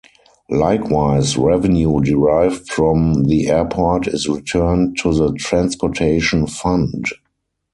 Likewise, revenue derived from the airport is returned to the Transportation Fund.